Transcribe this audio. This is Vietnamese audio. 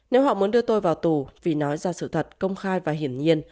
nếu họ muốn đưa tôi vào tù vì nói ra sự thật công khai và hiển nhiên